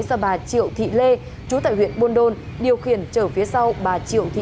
do bà triệu thị lê chú tại huyện buôn đôn điều khiển chở phía sau bà triệu thị lê